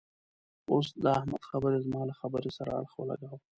اوس د احمد خبرې زما له خبرې سره اړخ و لګاوو.